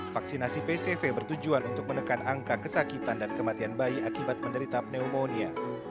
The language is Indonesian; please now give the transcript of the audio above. vaksinasi pcv bertujuan untuk menekan angka kesakitan dan kematian bayi akibat menderita pneumonia